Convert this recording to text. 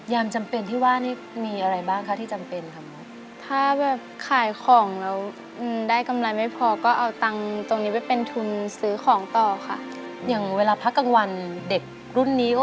ยามจำเป็นที่บ้านนี้มีอะไรบ้างขาดที่จำเป็น